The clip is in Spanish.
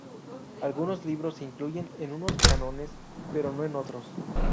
Algunos libros se incluyen en unos cánones pero no en otros.